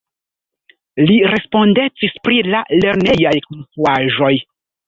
Li respondecis pri la lernejaj konstruaĵoj.